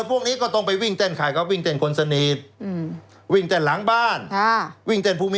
อืม